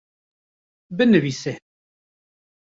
binivîse